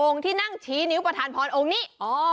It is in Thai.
ที่นั่งชี้นิ้วประธานพรองค์นี้